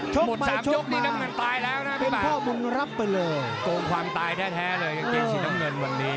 โชคไปโชคมากเป็นพ่อบุญรับไปเลยโค้งความตายแท้แท้เลยกับเกมสีน้ำเงินวันนี้